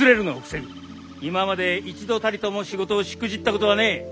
今まで一度たりとも仕事をしくじったことはねえ。